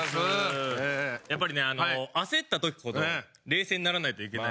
やっぱりね焦った時ほど冷静にならないといけない。